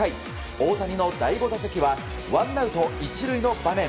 大谷の第５打席はワンアウト１塁の場面。